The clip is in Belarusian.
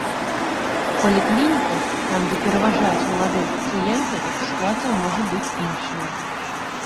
У паліклініках, там, дзе пераважаюць маладыя пацыенты, сітуацыя можа быць іншая.